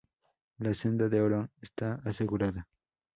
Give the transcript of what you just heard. La "Senda de Oro" está asegurada.